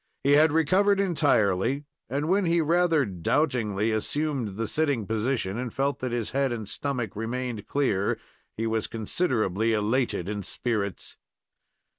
He had recovered entirely, and when he rather doubtingly assumed the sitting position and felt that his head and stomach remained clear he was considerably elated in spirits.